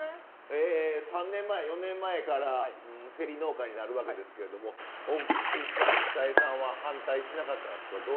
３年前４年前からせり農家になるわけですけれども奥さん永江さんは反対しなかったんですか？